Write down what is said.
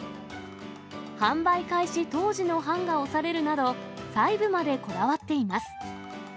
販売開始当時の判が押されるなど、細部までこだわっています。